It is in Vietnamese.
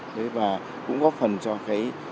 đấy và cũng góp phần cho cái